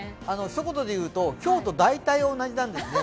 一言で言うと、今日と大体同じなんですね。